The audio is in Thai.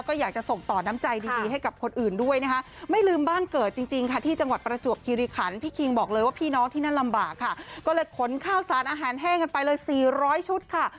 ข้าวสารอาหารแห้งกันไปเลย๔๐๐ชุดค่ะ